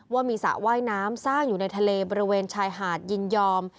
ว่ามีสระว่ายน้ำสร้างอยู่ในทะเลบริเวณชายหาดยินยอม